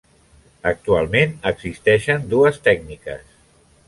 Actualment existeixen dues tècniques.